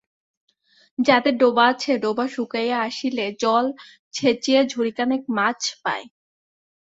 যাদের ডোবা আছে, ডোবা শুকাইয়া আসিলে জল ছেচিয়া ঝুড়িখানেক মাছ পায়।